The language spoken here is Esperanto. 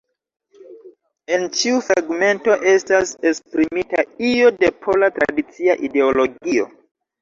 En ĉiu fragmento estas esprimita io de pola tradicia ideologio.